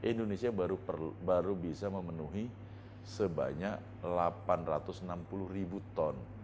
indonesia baru bisa memenuhi sebanyak delapan ratus enam puluh ribu ton